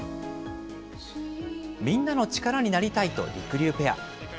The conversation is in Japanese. みんなの力になりたいとりくりゅうペア。